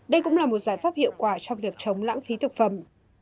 đây cũng là một giải pháp hiệu quả trong việc chống lãng phí thực phẩm